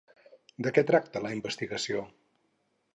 De què tracta la investigació?